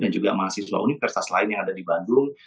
dan juga mahasiswa universitas lain yang ada di bandung